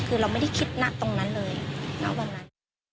คือเราไม่ได้คิดณตรงนั้นเลยณวันนั้น